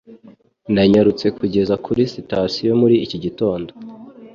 Nanyarutse kugeza kuri sitasiyo muri iki gitondo.